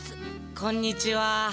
こんにちは。